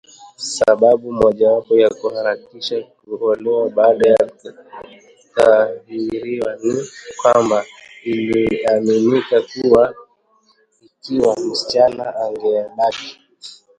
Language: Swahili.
Sababu mmojawapo ya kuharakisha kuolewa baada ya kutahiriwa ni kwamba iliaminika kuwa ikiwa msichana angebaki